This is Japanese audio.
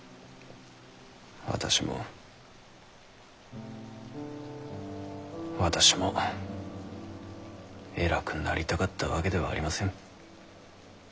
私も私も偉くなりたかったわけではありません。